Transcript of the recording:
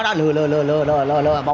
đâu quá à